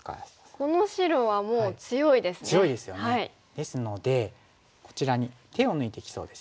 ですのでこちらに手を抜いてきそうですね。